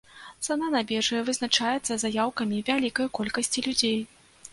Цана на біржы вызначаецца заяўкамі вялікай колькасці людзей.